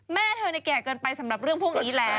แม่เธอแก่เกินไปสำหรับเรื่องพวกนี้แล้ว